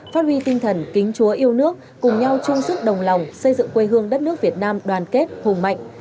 phát huy tinh thần kính chúa yêu nước cùng nhau chung sức đồng lòng xây dựng quê hương đất nước việt nam đoàn kết hùng mạnh